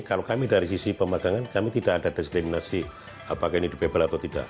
kalau kami dari sisi pemagangan kami tidak ada diskriminasi apakah ini debable atau tidak